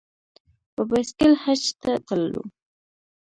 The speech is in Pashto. په بایسکل حج ته تللو.